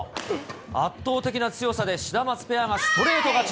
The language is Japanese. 圧倒的な強さでシダマツペアがストレート勝ち。